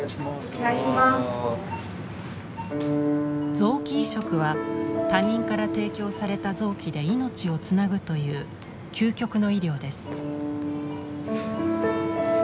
臓器移植は他人から提供された臓器で命をつなぐという究極の医療です。